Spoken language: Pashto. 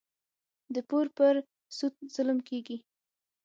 د پور پر سود ظلم کېږي.